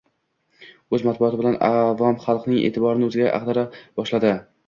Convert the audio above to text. o‘z matbuoti bilan avom xalqning e’tiborini o‘ziga ag‘dara boshladi.